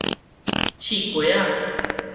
刺瓜仔